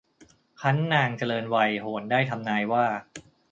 ครั้นนางเจริญวัยโหรได้ทำนายว่า